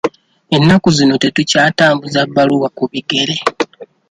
Ennaku zino tetukyatambuza bbaluwa ku bigere.